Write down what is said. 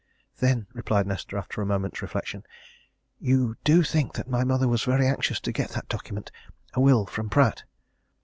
"Then," replied Nesta, after a moment's reflection, "you do think that my mother was very anxious to get that document a will from Pratt?"